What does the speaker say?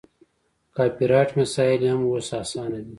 کاپي رایټ مسایل یې هم اوس اسانه دي.